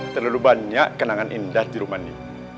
terlalu banyak kenangan indah di rumah ini